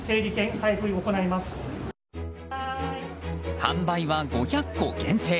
販売は５００個限定。